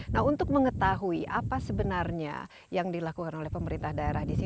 nah untuk mengetahui apa sebenarnya yang dilakukan oleh pemerintah daerah di sini